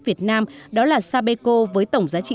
việt nam đó là sapeco với tổng giá trị